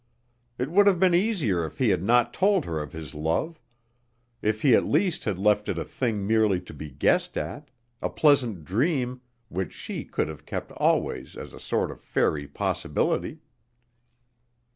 It would have been easier if he had not told her of his love, if he at least had left it a thing merely to be guessed at, a pleasant dream which she could have kept always as a sort of fairy possibility.